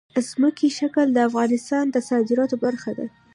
ځمکنی شکل د افغانستان د صادراتو برخه ده.